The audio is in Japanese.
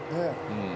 うん。